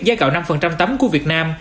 giá gạo năm tấm của việt nam